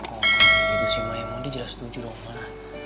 oh gitu sih maya mondi jelas setuju dong